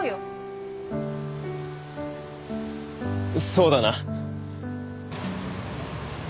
そうだな。